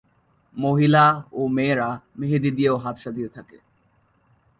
মহিলা ও মেয়েরা মেহেদী দিয়েও হাত সাজিয়ে থাকে।